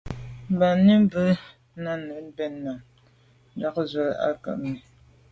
Ba nǎmî bû Nánái bɛ̂n náɁ ják ndzwə́ á gə́ Númíi.